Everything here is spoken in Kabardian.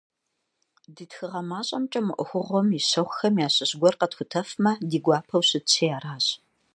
Ди тхыгъэ мащӏэмкӏэ мы ӏуэхугъуэм и щэхухэм ящыщ гуэр къэтхутэфмэ, ди гуапэу щытщи аращ.